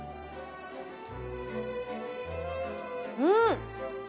うん！